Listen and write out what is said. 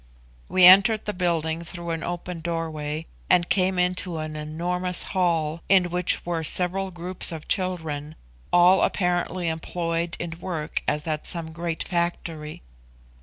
We entered the building through an open doorway and came into an enormous hall, in which were several groups of children, all apparently employed in work as at some great factory.